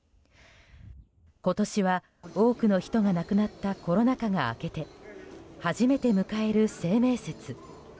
今年は、多くの人が亡くなったコロナ禍が明けて初めて迎える清明節。